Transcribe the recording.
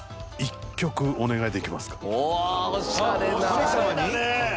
神様に。